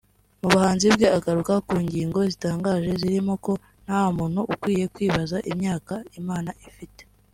Mu buhanzi bwe agaruka ku ngingo zitangaje zirimo ko nta muntu ukwiye kwibaza imyaka Imana ifite